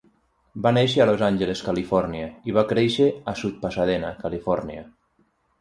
Va néixer a Los Angeles, Califòrnia i va créixer a South Pasadena, Califòrnia.